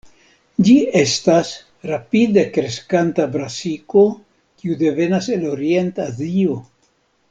Ĝi estas rapide kreskanta brasiko, kiu devenas el Orient-Azio.